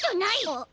あっ。